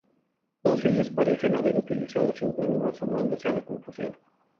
Todos ellos parecen haber utilizado seudónimos, sumándose a la confusión.